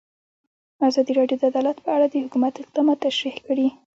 ازادي راډیو د عدالت په اړه د حکومت اقدامات تشریح کړي.